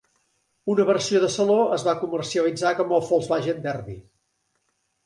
Una versió de saló es va comercialitzar com el Volkswagen Derby.